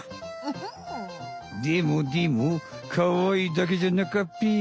でもでもかわいいだけじゃなかっぺよ。